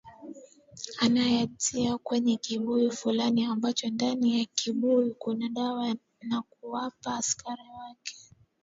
Anayatia kwenye kibuyu fulani ambacho ndani ya kibuyu kuna dawa na kuwapa askari wake